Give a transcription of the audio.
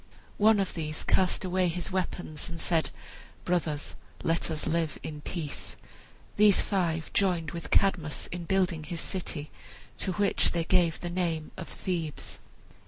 One of these cast away his weapons and said, "Brothers, let us live in peace!" These five joined with Cadmus in building his city, to which they gave the name of Thebes.